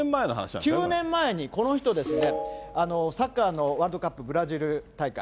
９年前にこの人ですね、サッカーのワールドカップブラジル大会。